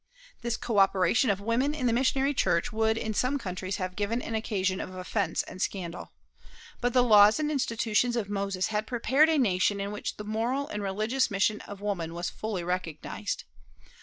This coöperation of women in the missionary church would in some countries have given an occasion of offense and scandal. But the laws and institutions of Moses had prepared a nation in which the moral and religious mission of woman was fully recognized.